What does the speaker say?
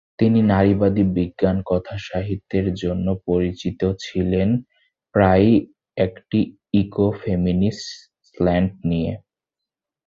তিনি নারীবাদী বিজ্ঞান কথাসাহিত্যের জন্য পরিচিত ছিলেন, প্রায়ই একটি ইকো-ফেমিনিস্ট স্লান্ট নিয়ে।